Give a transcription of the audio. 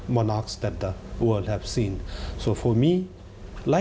คุณภารกิจกับคนไทยคือคนข้าดซึ่งยึดจิตดัง